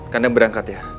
kanda berangkat ya